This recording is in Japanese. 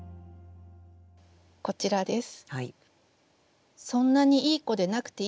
こちらです。